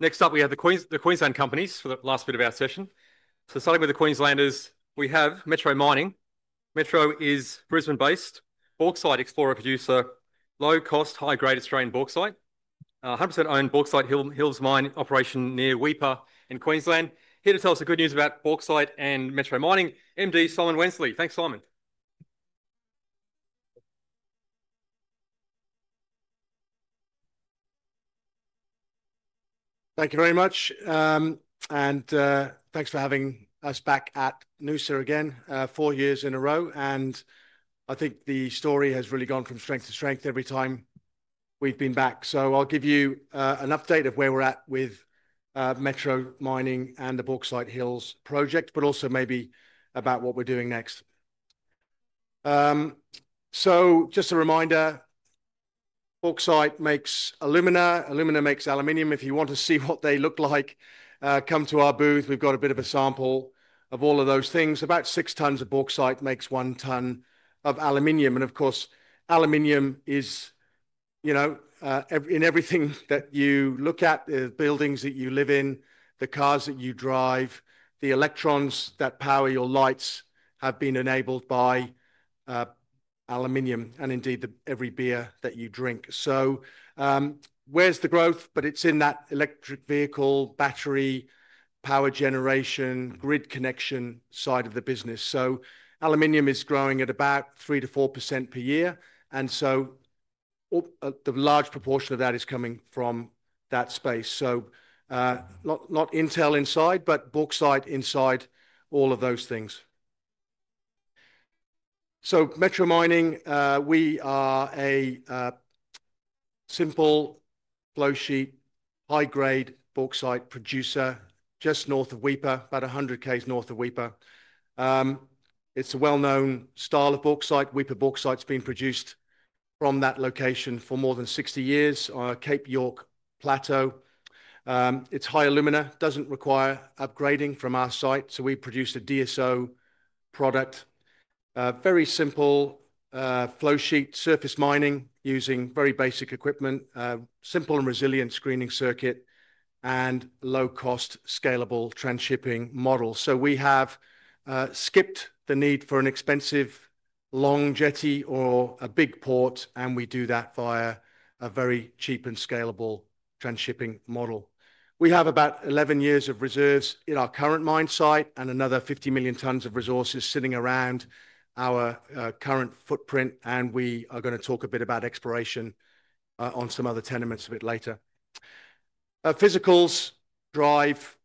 Next up, we have the Queensland companies for the last bit of our session. Starting with the Queenslanders, we have Metro Mining. Metro is Brisbane-based, Bauxite explorer producer, low-cost, high-grade Australian Bauxite, 100% owned Bauxite Hills Mine operation near Weipa in Queensland. Here to tell us the good news about Bauxite and Metro Mining, Managing Director Simon Wensley. Thanks, Simon. Thank you very much, and thanks for having us back at Noosa again, four years in a row. I think the story has really gone from strength to strength every time we've been back. I'll give you an update of where we're at with Metro Mining and the Bauxite Hills Mine, but also maybe about what we're doing next. Just a reminder, Bauxite makes aluminum. Aluminum makes Aluminium. If you want to see what they look like, come to our booth. We've got a bit of a sample of all of those things. About six tons of Bauxite makes one ton of Aluminium. Of course, Aluminium is, you know, in everything that you look at, the buildings that you live in, the cars that you drive, the electrons that power your lights have been enabled by Aluminium and indeed every beer that you drink. Where's the growth? It's in that electric vehicle, battery, power generation, grid connection side of the business. Aluminium is growing at about three to 4% per year. The large proportion of that is coming from that space. Not Intel inside, but Bauxite inside all of those things. Metro Mining, we are a simple, low-shaped, high-grade Bauxite producer just north of Weipa, about 100 kilometers north of Weipa. It's a well-known style of Bauxite. Weipa Bauxite's been produced from that location for more than 60 years on a Cape York plateau. It's high aluminum, doesn't require upgrading from our site. We produce a DSO product, very simple, flow sheet surface mining using very basic equipment, a simple and resilient screening circuit, and low-cost, scalable transshipping model. We have skipped the need for an expensive long jetty or a big port, and we do that via a very cheap and scalable transshipping model. We have about 11 years of reserves in our current mine site and another 50 million tons of resources sitting around our current footprint. We are going to talk a bit about exploration on some other tenements a bit later. Physicals drive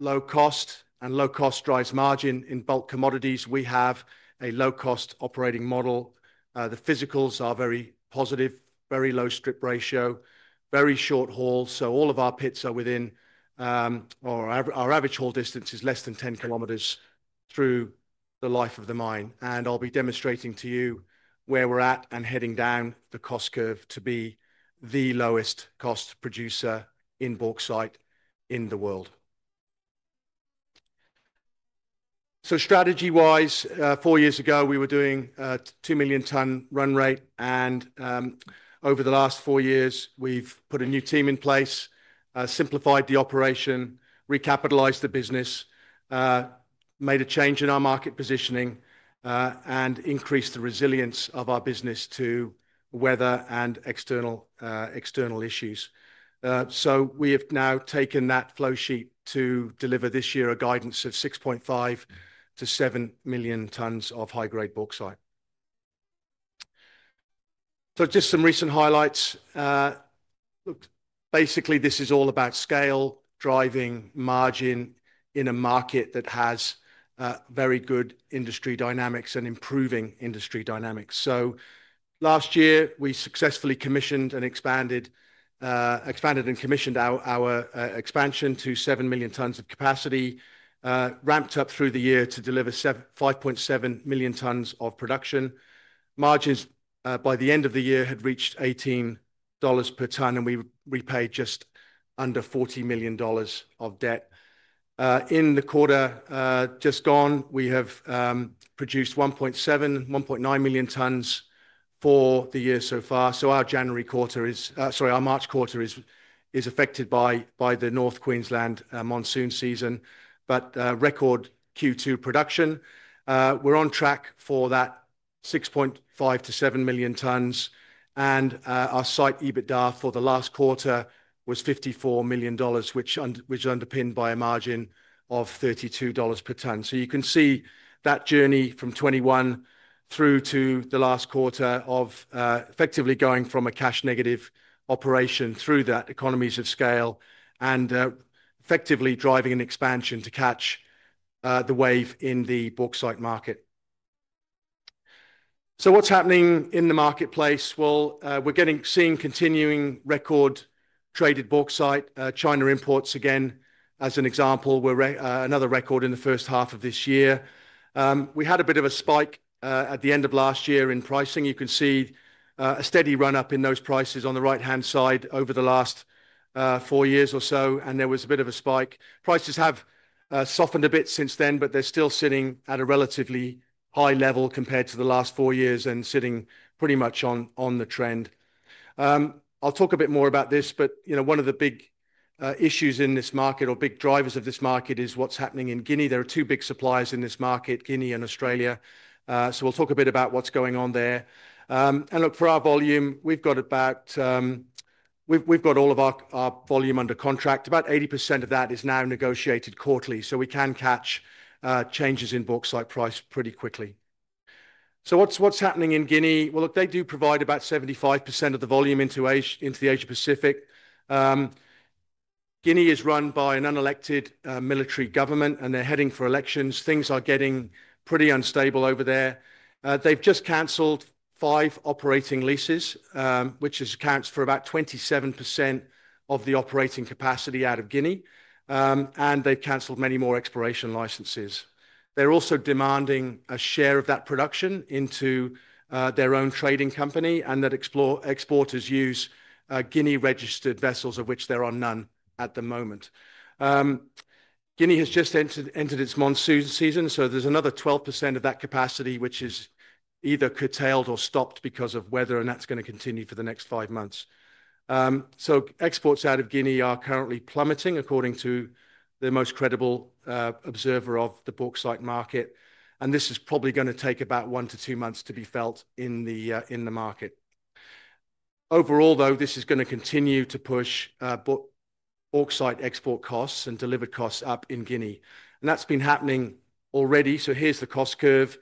low cost and low cost drives margin in bulk commodities. We have a low-cost operating model. The physicals are very positive, very low strip ratio, very short haul. All of our pits are within, or our average haul distance is less than 10 kilometers through the life of the mine. I'll be demonstrating to you where we're at and heading down the cost curve to be the lowest cost producer in Bauxite in the world. Strategy-wise, four years ago, we were doing a two million ton run rate. Over the last four years, we've put a new team in place, simplified the operation, recapitalized the business, made a change in our market positioning, and increased the resilience of our business to weather and external issues. We have now taken that flow sheet to deliver this year a guidance of 6.5 to seven million tons of high-grade Bauxite. Just some recent highlights. Basically, this is all about scale, driving margin in a market that has very good industry dynamics and improving industry dynamics. Last year, we successfully commissioned and expanded our expansion to seven million tons of capacity, ramped up through the year to deliver 5.7 million tons of production. Margins by the end of the year had reached $18 per ton, and we repaid just under $40 million of debt. In the quarter just gone, we have produced 1.7, 1.9 million tons for the year so far. Our March quarter is affected by the North Queensland monsoon season. Record Q2 production. We're on track for that 6.5 to 7 million tons. Our site EBITDA for the last quarter was $54 million, which is underpinned by a margin of $32 per ton. You can see that journey from 2021 through to the last quarter of effectively going from a cash-negative operation through that economies of scale and effectively driving an expansion to catch the wave in the Bauxite market. What's happening in the marketplace? We're seeing continuing record traded Bauxite. China imports again, as an example, were another record in the first half of this year. We had a bit of a spike at the end of last year in pricing. You can see a steady run-up in those prices on the right-hand side over the last four years or so, and there was a bit of a spike. Prices have softened a bit since then, but they're still sitting at a relatively high level compared to the last four years and sitting pretty much on the trend. I'll talk a bit more about this, but one of the big issues in this market or big drivers of this market is what's happening in Guinea. There are two big suppliers in this market, Guinea and Australia. We'll talk a bit about what's going on there. For our volume, we've got it backed. We've got all of our volume under contract. About 80% of that is now negotiated quarterly. We can catch changes in Bauxite price pretty quickly. What's happening in Guinea? They do provide about 75% of the volume into Asia-Pacific. Guinea is run by an unelected military government, and they're heading for elections. Things are getting pretty unstable over there. They've just canceled five operating leases, which accounts for about 27% of the operating capacity out of Guinea, and they've canceled many more exploration licenses. They're also demanding a share of that production into their own trading company and that exporters use Guinea-registered vessels, of which there are none at the moment. Guinea has just entered its monsoon season. There's another 12% of that capacity, which is either curtailed or stopped because of weather, and that's going to continue for the next five months. Exports out of Guinea are currently plummeting, according to the most credible observer of the Bauxite market. This is probably going to take about one to two months to be felt in the market. Overall, though, this is going to continue to push Bauxite export costs and delivered costs up in Guinea, and that's been happening already. Here's the cost curve.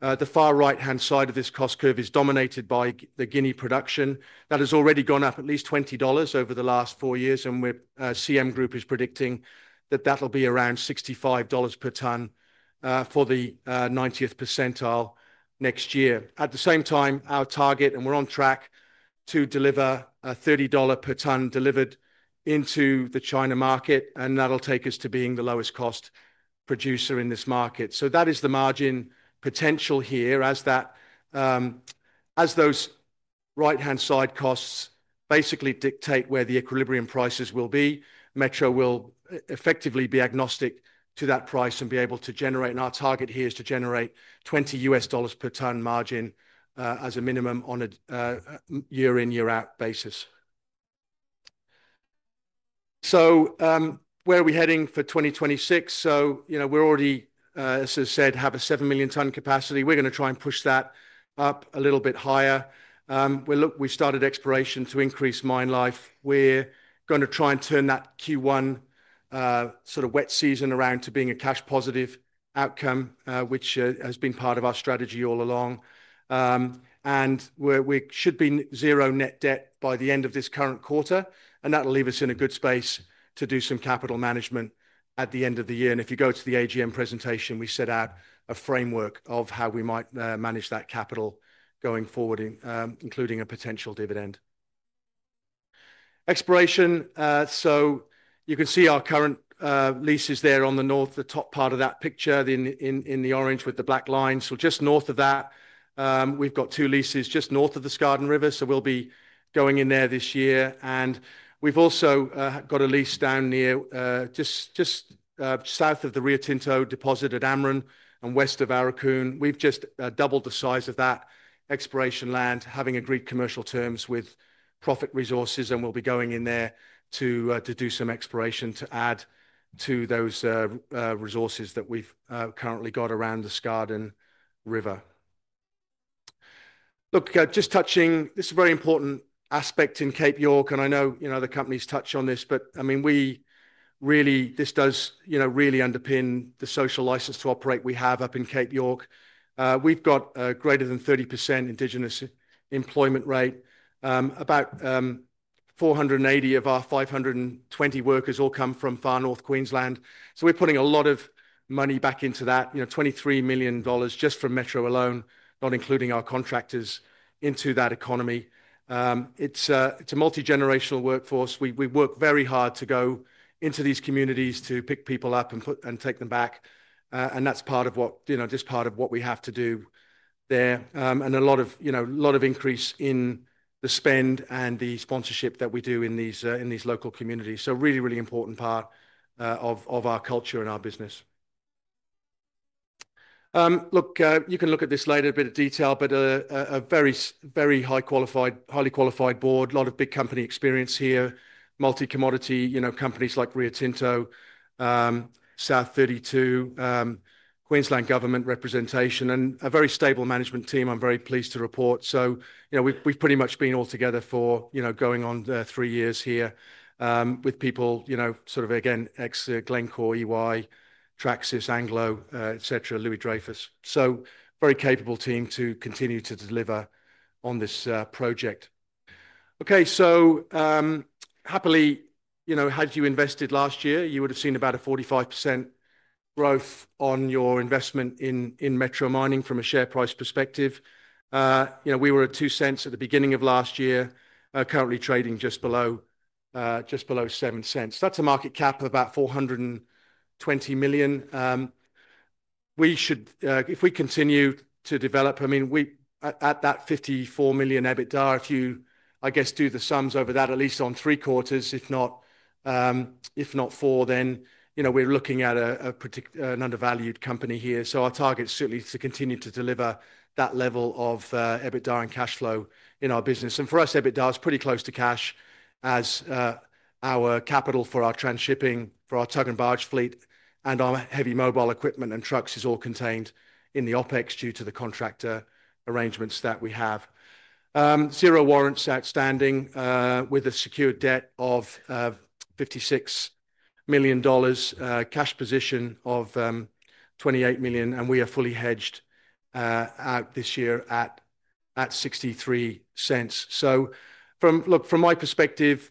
The far right-hand side of this cost curve is dominated by the Guinea production. That has already gone up at least $20 over the last four years. CM Group is predicting that that'll be around $65 per ton for the 90th percentile next year. At the same time, our target, and we're on track to deliver a $30 per ton delivered into the China market, and that'll take us to being the lowest cost producer in this market. That is the margin potential here as those right-hand side costs basically dictate where the equilibrium prices will be. Metro will effectively be agnostic to that price and be able to generate, and our target here is to generate $20 per ton margin, as a minimum on a year-in, year-out basis. Where are we heading for 2026? We already, as I said, have a seven million ton capacity. We're going to try and push that up a little bit higher. We started exploration to increase mine life. We're going to try and turn that Q1, sort of wet season around to being a cash-positive outcome, which has been part of our strategy all along. We should be zero net debt by the end of this current quarter. That'll leave us in a good space to do some capital management at the end of the year. If you go to the AGM presentation, we set out a framework of how we might manage that capital going forward, including a potential dividend. Exploration, you can see our current leases there on the north, the top part of that picture, in the orange with the black lines. Just north of that, we've got two leases just north of the Skardon River. We'll be going in there this year. We've also got a lease down near, just south of the Rio Tinto deposit at Amrun and west of Aurukun. We've just doubled the size of that exploration land, having agreed commercial terms with Profit Resources. We'll be going in there to do some exploration to add to those resources that we've currently got around the Skardon River. This is a very important aspect in Cape York. The company's touched on this, but this really underpins the social license to operate we have up in Cape York. We've got a greater than 30% Indigenous employment rate. About 480 of our 520 workers all come from Far North Queensland. We're putting a lot of money back into that, $23 million just from Metro Mining alone, not including our contractors, into that economy. It's a multigenerational workforce. We work very hard to go into these communities to pick people up and take them back, and that's part of what we have to do there. There's a lot of increase in the spend and the sponsorship that we do in these local communities. It's a really important part of our culture and our business. You can look at this later, a bit of detail, but a very highly qualified board, a lot of big company experience here, multi-commodity companies like Rio Tinto, South32, Queensland government representation, and a very stable management team. I'm very pleased to report we've pretty much been all together for going on three years here, with people, again, ex-Glencore, EY, Traxys, Anglo, Louis Dreyfus. A very capable team to continue to deliver on this project. Happily, had you invested last year, you would have seen about a 45% growth on your investment in Metro Mining from a share price perspective. We were at $0.02 at the beginning of last year, currently trading just below $0.07. That's a market cap of about $420 million. We should, if we continue to develop, I mean, we at that $54 million EBITDA, if you, I guess, do the sums over that, at least on three quarters, if not four, then we're looking at a particular, an undervalued company here. Our target is certainly to continue to deliver that level of EBITDA and cash flow in our business. For us, EBITDA is pretty close to cash as our capital for our transshipping, for our tug and barge fleet, and our heavy mobile equipment and trucks is all contained in the OpEx due to the contractor arrangements that we have. Zero warrants outstanding, with a secured debt of $56 million, cash position of $28 million. We are fully hedged out this year at $0.63. From my perspective,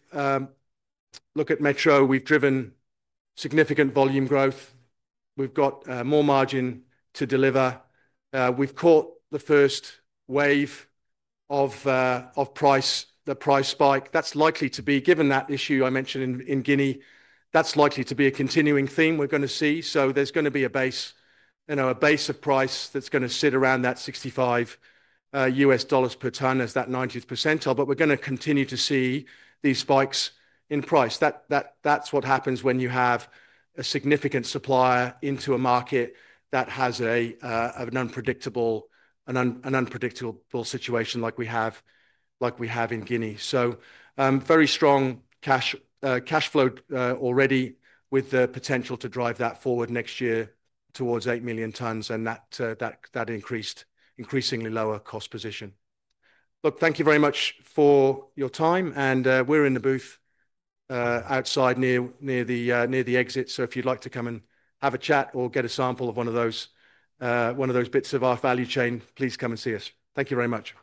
look at Metro. We've driven significant volume growth. We've got more margin to deliver. We've caught the first wave of the price spike. That's likely to be, given that issue I mentioned in Guinea, that's likely to be a continuing theme we're going to see. There's going to be a base, you know, a base of price that's going to sit around that $65, U.S. dollars per ton as that 90th percentile. We're going to continue to see these spikes in price. That happens when you have a significant supplier into a market that has an unpredictable situation like we have in Guinea. Very strong cash flow already with the potential to drive that forward next year towards eight million tons and that increasingly lower cost position. Thank you very much for your time. We're in the booth outside near the exit. If you'd like to come and have a chat or get a sample of one of those bits of our value chain, please come and see us. Thank you very much.